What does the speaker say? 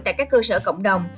tại các cơ sở cộng đồng